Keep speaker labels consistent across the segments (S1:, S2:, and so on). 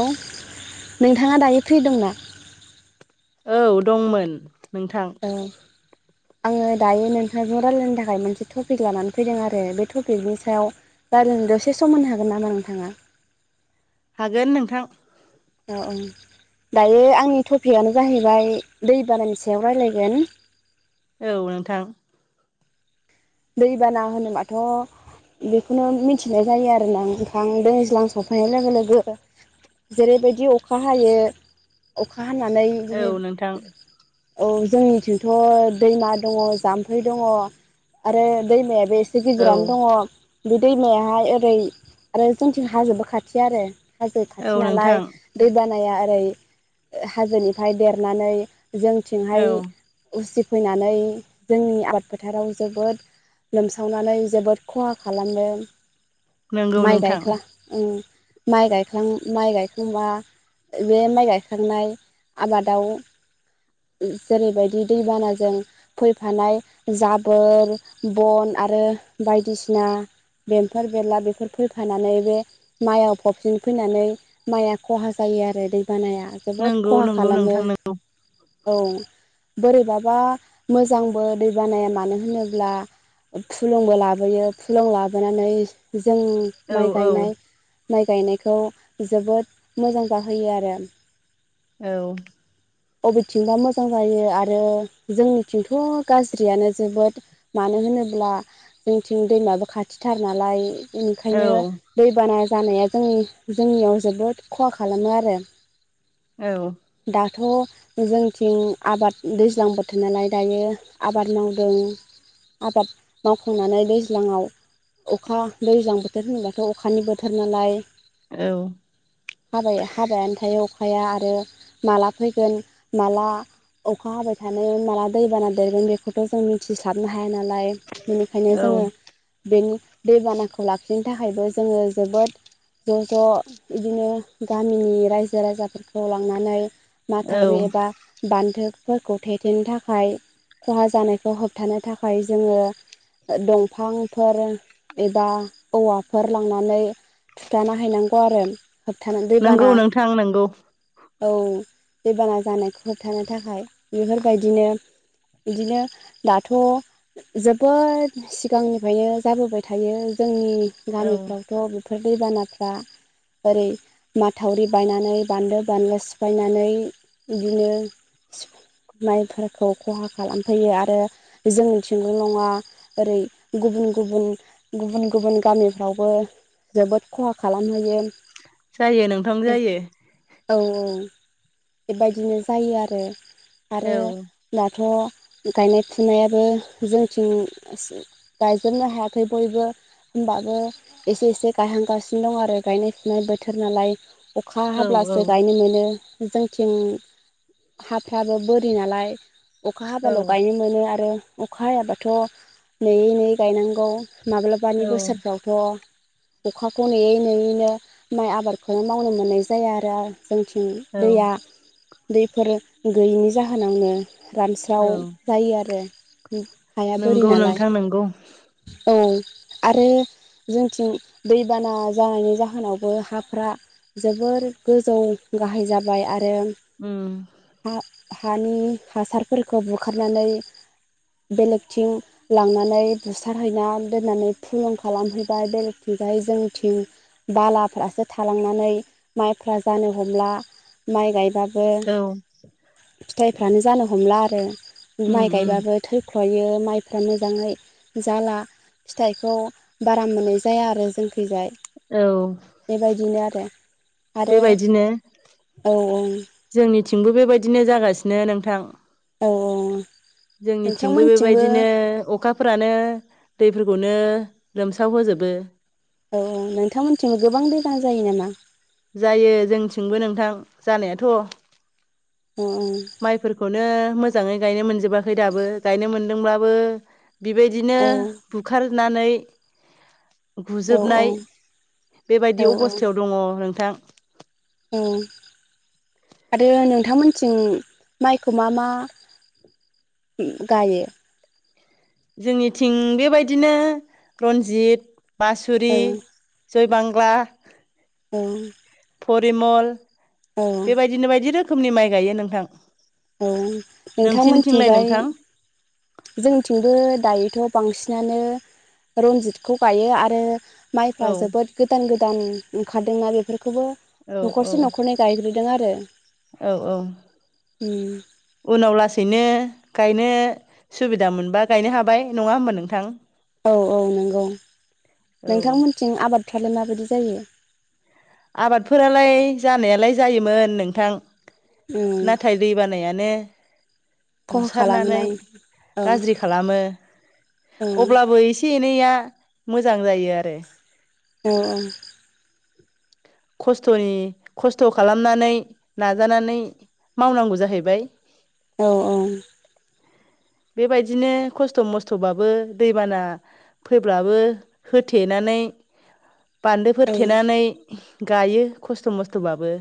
S1: हेल' नोंथाङा दायो फ्रि दं ना?
S2: औ दंमोन नोंथां।
S1: दं। आङो दायो नोंथांजों रायलायनो थाखाय मोनसे टपिक लानानै फैदों आरो बे टपिकनि सायाव रायलायनाय द'से सम मोननो हागोन नामा नोंथाङा।
S2: हागोन नोंथां।
S1: औ औ दायो आंनि टपिकआनो जाहैबाय दै बानानि सायाव रायज्लायगोन।
S2: औ नोंथां।
S1: दैबाना होनोबाथ' बेखौनो मिथिनाय जायो आरोना नोंथां दैज्लां सफैनाय लोगो लोगो। जेरैबायदि अखा हायो अखा हानानै
S2: औ
S1: बिदिनो
S2: नोंथां
S1: औ जोंनिथिंथ' दैमा दङ जाम्फै दङ। आरो दैमायाबो एसे
S2: औ
S1: गिदिरानो दङ। बे दैमायाहाय ओरै आरो जोंथिं हाजोबो खाथि आरो हाजो
S2: औ
S1: खाथि
S2: नोंथां
S1: नालाय दैबानाया ओरै हाजोनिफ्राय देरनानै
S2: औ
S1: जोंथिंहाय उसिफैनानै जोंनि आबाद फोथाराव जोबोद लोमसावनानै जोबोद खहा खालामदों।
S2: नंगौ
S1: माइ
S2: नोंथां
S1: गायख्ला ओ माइ गायखां माइ गायखांबा बे माइ गायखांनाय आबादाव जेरैबायदि दैबानाजों फैफानाय जाब बोर बन आरो बायदिसिना। बेमफोर बेरला बेफोर फैफानानै बे माइआव फबसिन फैनानै माइआ खहा जायो आरो दैबानाया। जोबोद
S2: नंगौ
S1: खहा
S2: नंगौ
S1: खालामो।
S2: नोंथां नंगौ
S1: औ बोरैबाबा मोजांबो दै बानाया मानो होनोब्ला फुलुंबो लाबोयो फुलुं लाबोनानै जों
S2: औ
S1: माइ गायनाय माइ गायनायखौ जोबोद मोजां जाहोयो आरो।
S2: औ।
S1: बबेथिंबा मोजां जायो आरो जोंनिथिंथ' गाज्रियानो जोबोद मानो होनोब्ला जोंथिं दैमाबो खाथिथार नालाय
S2: औ
S1: ओंखायनो दैबाना जानाया जोंनि जोंनियाव जोबोद खहा खालामो आरो।
S2: औ।
S1: दाथ' जोंथिं आबाद दैज्लां बोथोर नालाय दायो आबाद मावदों। आबाद मावखांनानै दैज्लाङाव अखा दैज्लां बोथोर होनोबाथ' अखानि बोथोर नालाय।
S2: औ।
S1: हाबाया हाबायानो थायो अखाया आरो माला फैगोन माला अखा हाबाय थानायाव माला दैबाना देरगोन बेखौथ' जों मिथि हाबनो हाया नालाय बेनिखायनो
S2: औ
S1: जोङो बेनि दैबानाखौ लाखिनो थाखायबो जोङो जोबोद ज' ज' बिदिनो गामिनि रायजो राजाफोरखौ लांनानै
S2: औ
S1: माथावरि एबा बान्दोफोरखौ थेथेनो थाखाय खहा जानायखौ होब हो थानो थाखाय जोङो दंफांफोर एबा औवाफोर लांनानै। थुथाना हैनांगौ आरो होबथानानै दैबाना
S2: नंगौ नोंथां नंगौ
S1: औ दै बाना जानायखौ होबथानो थाखाय बेफोरबायदिनो बिदिनो दाथ' जोबोद सिगांनिफ्रायनो जाबोबाय थायो जोंनि
S2: औ
S1: गामिफ्रावथ' बेफोर दैबानाफ्रा ओरै माथावरि बायनानै बानलो बानलु सिफायनानै बिदिनो माइफोरखौ खहा खालामफैयो आरो जोंनि थिंल नङा ओरै गुबुन गुबुन गुबुन गुबुन गामिफ्रावबो जोबोद खहा खालामहोयो
S2: जायो नोंथां जायो।
S1: औ औ बेबायदिनो जायो आरो आरो
S2: औ
S1: दाथ' गायनाय फुनायाबो जोंथिं गायजोबनो हायाखै बयबो। होनोमबाबो एसे एसे गायहांगासिनो दं आरो गायनाय फुनाय बोथोर नालाय अखा
S2: औ
S1: हाब्लासो
S2: औ
S1: गायनो मोनो जोंथिं हाफ्राबो बोरि नालाय अखा हाबाल'
S2: औ
S1: गायनो मोनो आरो अखा हायाबाथ' नेयै नेयै गायनांगौ माब्लाबानि
S2: औ
S1: बोसोरफ्राव थ' अखाखौ नेयै नेयैनो माइ आबादखौनो मावनो मोननाय जाया आरो। जोंथिं
S2: औ
S1: दैया दैफोर गैयैनि जाहोनावनो रानस्राव
S2: औ
S1: जायो आरो हाया बोरि
S2: नंगौ
S1: नालाय
S2: नोंथां नंगौ
S1: औ आरो जोंथिं दैबाना जानायनि जाहोनावबो हाफोरा जोबोर गोजौ गाहाय जाबाय आरो
S2: उम
S1: हा हानि हासारफोरखौ बुखारनानै बेलेगथिं लांनानै बुथारहैनानै दोननानै फुलं खालामहैबाय बेराये थांबाय जोंथिं बालाफ्रासो थालांनानै माइफ्रा जानो हमला माइ गायबाबो
S2: औ
S1: फिथाइफ्रानो जानो हमला आरो
S2: उम
S1: माइ
S2: उम
S1: गायबाबो थैख्लयो माइफ्रा मोजाङै जाला फिथाइखौ बारा मोनै जाया आरो जोंखैजाय
S2: औ
S1: बेबायदिनो आरो आरो
S2: बेबायदिनो
S1: औ औ
S2: जोंनिथिंबो बेबायदिनो जागासिनो नोंथां
S1: औ औ
S2: जोंनिथिंबो
S1: नोंथांमोनथिंबो
S2: बेबायदिनो अखा फोरानो दैफोरखौनो लोमसाव होोजोबो
S1: औ औ नोंथांमोनथिंबो गोबां दैबां जायो नामा।
S2: जायो जोंथिंबो नोंथां जानायाथ'
S1: अ ओं
S2: माइफोरखौनो मोजाङै गायनो मोनजोबाखै दाबो गायनो मोनदोंब्लाबो बेबायदिनो
S1: औ
S2: बुखारनानै
S1: औ
S2: गुजोबनाय
S1: औ
S2: बेबायदि अबस्थायाव दङ नोंथां
S1: औ आरो नोंथांमोनथिं माइखौ मा मा गायो
S2: जोंनिथिं बेबायदिनो रन्जित
S1: औ
S2: बासुरि जयबांला
S1: औ
S2: फरिमल
S1: औ
S2: बेबायदिनो बायदि रोखोमनि माइ गायो नोंथां।
S1: औ
S2: नोंसिनिथिंलाय
S1: नोंथांमोनथिंजाय
S2: नोंथां
S1: जोंथिंबो दायोथ' बांसिनानो रनजितखौ गायो आरो
S2: औ
S1: माइफ्रा जोबोद गोदान गोदान ओंखारदोंनाा बेफोरखौबो
S2: औ औ
S1: न'खरसे न'खरनै जायग्रोदों आरो
S2: औ औ
S1: उम
S2: उनाव लासैनो गायनो सुबिदा मोनबा गायनो हाबाय नङा होमबा नोंथां
S1: औ औ नंगौ
S2: औ
S1: नोंथांमोनथिं आबादफ्रालाय माबायदि जायो
S2: आबादफोरालाय जानायालाय जायोमोन नोंथां
S1: उम
S2: नाथाय दै बानायानो
S1: खहा
S2: बुसारनानै
S1: खालामोना औ
S2: गाज्रि खालामो
S1: औ
S2: अब्लाबो एसे थेनैया मोजां जायो आरो
S1: अ औ
S2: खस्थ'नि खस्थ' खालामनानै नाजानानै मावनांगौ जाहैबाय
S1: औ औ
S2: बेबायदिनो खस्थ' मस्थ'बाबो दैबाना फैब्लाबो होथेनानै बान्दोफोर
S1: औ
S2: थेनानै गायो खस्थ' मस्थ'बाबो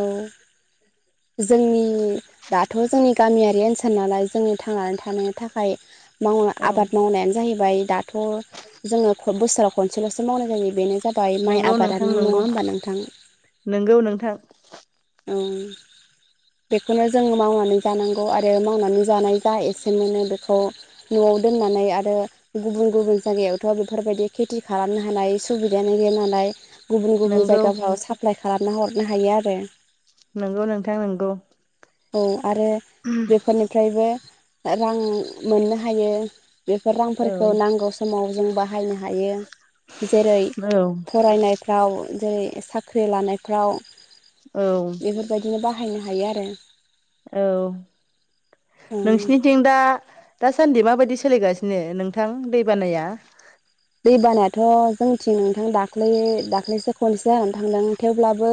S1: औ जोंनि दाथ' जोंनि गामियारि ओनसोल नालाय जोंनि थांनानै थानायनि थाखाय माव
S2: औ
S1: आबाद मावनायानो जाहैबाय दाथ' जोङो बोसोराव खनसेल'सो मावनाय जायो बेनो जाबाय माइ
S2: नोंगौ नोंथां
S1: आबादानो नङा
S2: नोंगौ
S1: होमबा नोंथां
S2: नोंगौ नोंथां
S1: औ बेखौनो जों मावनानै जानांगौ आरो मावनानै जानाय जा एसे मोनो बेखौ न'आव दोननानै आरो गुबुन गुबुन जायगायावथ' बेफोरबायदि खेथि खालामनो हानाय सुबिदायानो गैया नालाय गुबुन गुबुन
S2: नोंगौ
S1: जायगाफ्राव साप्लाय खालामना हरनो हायो आरो
S2: नोंगौ नोंथां नोंगौ
S1: [inaudible] औ आरो बेफोरनिफ्रायबो रां मोननो हायो बेफोर
S2: औ
S1: रांफोरखौ नांगौ समाव जों बाहायनो हायो जेरै
S2: औ
S1: फरायनाय फ्राव जेरै साख्रि लानायफ्राव
S2: औ
S1: बेफोरबायदिनो बाहायनो हायो आरो
S2: औ
S1: ओं
S2: नोंसिनिथिं दा दासान्दि माबायदि सोलिगासिनो नोंथां दै बानाया
S1: दै बानायाथ' जोंथिं नोंथां दाख्लै दाख्लैसो खनसे जानानै थांदों थेवब्लाबो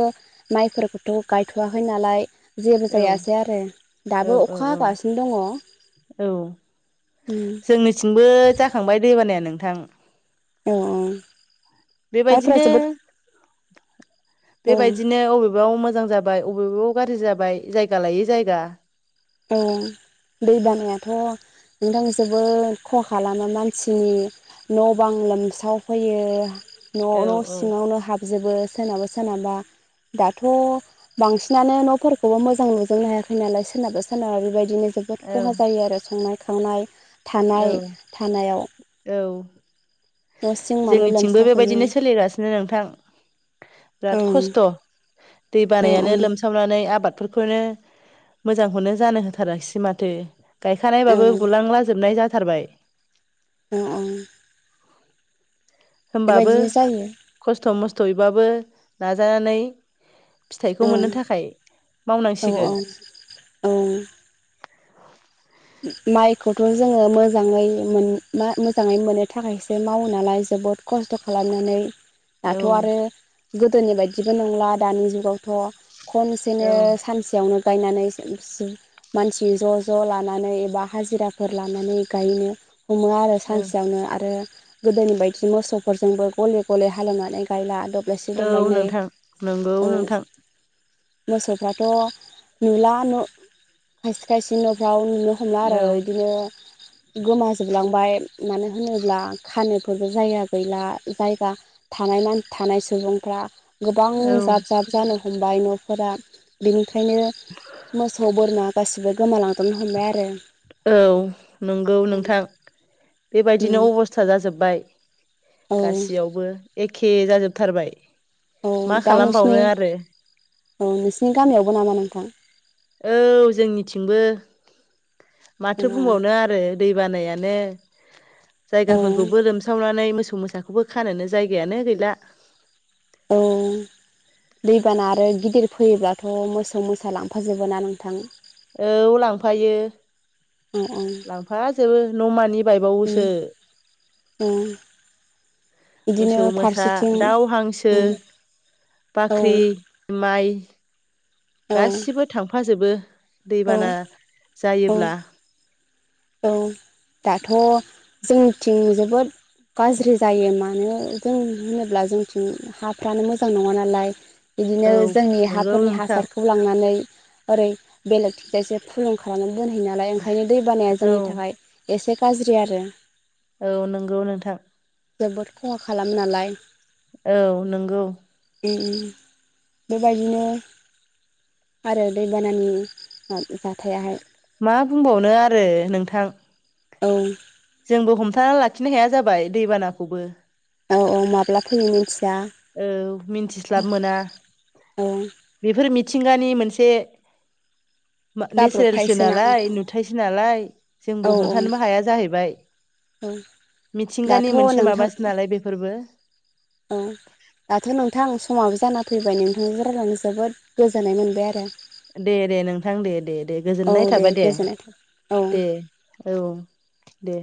S1: माइफोरखौथ' गायथ'वाखै नालाय जेबो
S2: औ
S1: जायासै आरो
S2: औ
S1: दाबो
S2: औ
S1: अखा
S2: औ
S1: हागासिनो दङ
S2: औ जोंनिथिंबो जाखांबाय दैबानाया नोंथां
S1: औ-औ
S2: बेबायदिनो
S1: औ
S2: बेबायदिनो अबेबा मोजां जाबाय जाय बबेबा गाज्रि जाबाय जायगा लायै जायगा
S1: अ दै बानायाथ' नोंथां जोबोद खहा खालामो मानसिनि न' बां लोमसावफैयो न'
S2: औ
S1: न' सिङावनो हाब जोबो सोरनाबा सोरनाबा दाथ' बांसिनानो न'फोरखौबो मोजां नुजोबनो हायाखै नालाय सोरनाबा सोरनाबा बेबायदिनो जोबोद
S2: औ
S1: खहा जायो आरो संनाय खावनाय थानाय थानायाव
S2: औ-औ
S1: न' सिं माने
S2: जोंनिथिंबो
S1: लोमसावहैयो
S2: बेबायदिनो सोलिगासिनो नोंथां
S1: औ
S2: बिराद खस्थ' दै
S1: औ
S2: बानायानो लोमसा नानै आबादफोरखौनो मोजांखौनो जानो होथाराखिसै माथो
S1: औ
S2: गायखानायबाबो बुलांला जोबनाय जाथारबाय
S1: अ औ
S2: होनोमबाबो
S1: बेबायदिनो जायो
S2: खस्थ' मस्थ'यैबाबो नाजानानै
S1: औ
S2: फिथाइखौ मोननो थाखाय
S1: औ
S2: मावनांसिगोन
S1: औ औ माइखौथ' जोङो मोजाङै मोन मा मोजाङै मोननो थाखायसो मावो नालाय जोबोद खस्थ' खालामनानै
S2: औ
S1: दाथ' आरो गोदोनि बायदिबो नंला दानि जुगावथ' खनसेनो
S2: औ
S1: सानसेयावनो गायनानै मानसि ज' ज' लानानै नानै एबा हाजिराफोर लानानै गायनो हमो आरो
S2: औ
S1: सानसेयावनो आरो गोदोनि बायदि मोसौफोरजोंबो गले गले हाल एवनानै गायला दब्लायसे
S2: औ
S1: दब्लायनै
S2: नोंथां नंगौ
S1: औ
S2: नोंथां
S1: मोसौफ्राथ' नुला न' खायसे खायसे न'फ्राव होनला आरो
S2: औ
S1: बिदिनो गोमाजोबलांबाय मानो होनोब्ला खानोफोरबो जायगा गैला जायगा थानाय ना थानाय सुबुंफ्रा गोबां
S2: औ
S1: जाब जाब जानो हमबाय न'फोरा बेनिखायनो मोसौ बोरमा गासिबो गोमालांद्रनो हमबाय आरो
S2: औ नंगौ नोंथां
S1: उम
S2: बेबायदिनो अबस्था जाजोब्बाय
S1: औ
S2: गासैयावबो एखे जाजोबथारबाय
S1: औ
S2: मा
S1: दा नोंसिनि
S2: खालामबावनो आरो
S1: औ नोंसिनि गामियावबो नामा नोंथां
S2: औ जोंनिथिंबो माथो बुंबावनो आरो दै बानायानो
S1: औ
S2: जायगाफोरखौबो लोमसावनानै मोसौ मोसा खौबो खानोनो जायगायानो गैला
S1: औ दैबाना आरो गिदिर फैयोब्लाथ' मोसौ मोसा लांफाजोबो ना नोंथां
S2: औ लांफायो
S1: औ औ
S2: लांफा जोबो न'मानि
S1: उम
S2: बायबावोसो
S1: औ बिदिनो
S2: मोसौ मोसा
S1: फारसेथिं
S2: दाउ हांसो
S1: उम औ
S2: बाख्रि माइ
S1: औ
S2: गासिबो थांफाजोबो
S1: औ
S2: दैबाना
S1: औ
S2: जायोब्ला
S1: औ दाथ' जोंनिथिं जोबोद गाज्रि जायो मानो जों होनोब्ला जोंथिं हाफ्रानो मोजां नङा नालाय बिदिनो
S2: औ
S1: जोंनि
S2: नंगौ
S1: हाफोरनि
S2: नोंथां
S1: हासारखौ खौ लांनानै ओरै बेलेग थिगजायसो फुलुं खालामनानै दोनहैयो नालाय ओंखायनो दै बानाया
S2: औ
S1: जोंनि थाखाय एसे गाज्रि आरो
S2: औ नंगौ नोंथां
S1: जोबोद खहा खालाम नालाय
S2: औ नंगौ
S1: ओम बेबायदिनो आरो दैबानानि जाथायाहाय
S2: मा बुंबावनो आरो नोंथां
S1: औ
S2: जोंबो हमथा लाखिनो हाया जाबाय दैबानाखौबो
S1: औ औ माब्ला फैयो मिथिया
S2: औ मिन्थिस्लाब मोना
S1: औ
S2: बेफोर मिथिंगानि मोनसे मा नेचारेलसो
S1: जाब्रबथायसोना
S2: नालाय
S1: नोंथां
S2: नुथायसो नालाय
S1: औ
S2: जोंबो
S1: औ
S2: हमथानोबो हाया जाहैबाय
S1: औ दाथ'
S2: मिथिंगानि मोनसे माबासो नालाय बेफोरबो
S1: ओ दाथ' नोंथां समाबो जाना फैबाय नोंथांनि रायलायनानै जोबोद गोजोननाय मोनबाय आरो
S2: दे दे नोंथां दे दे दे
S1: औ
S2: गोजोननाय थाबाय दे
S1: गोजोननाय थाबाय औ
S2: दे औ दे